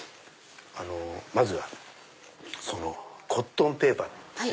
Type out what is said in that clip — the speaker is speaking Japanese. まずはコットンペーパーって。